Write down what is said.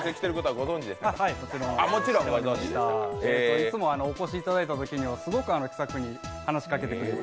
いつも、お越しいただいたときにはすごく気さくに話しかけてくれて。